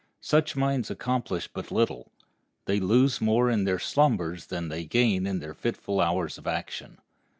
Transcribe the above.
Such minds accomplish but little. They lose more in their slumbers than they gain in their fitful hours of action.